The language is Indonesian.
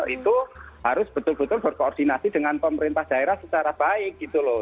itu harus betul betul berkoordinasi dengan pemerintah daerah secara baik gitu loh